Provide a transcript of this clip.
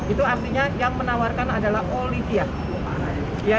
itu artinya yang menawarkan adalah olivia